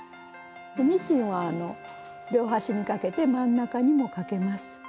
ミシンは両端にかけて真ん中にもかけます。